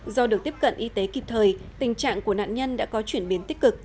do được tiếp cận y tế kịp thời tình trạng của nạn nhân đã có chuyển biến tích cực